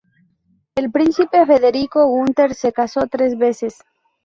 El príncipe Federico Gunter se casó tres veces.